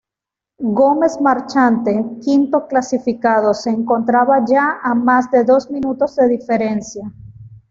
Gómez Marchante, quinto clasificado, se encontraba ya a más de dos minutos de diferencia.